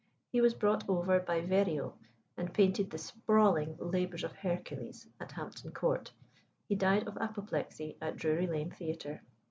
He was brought over by Verrio, and painted the "sprawling" "Labours of Hercules" at Hampton Court. He died of apoplexy at Drury Lane Theatre.